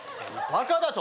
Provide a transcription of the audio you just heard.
バカだと？